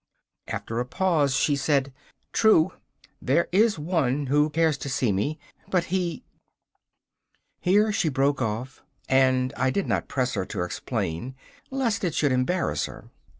After a pause she said: 'True, there is one who cares to see me, but he ' Here she broke off, and I did not press her to explain lest it should embarrass her.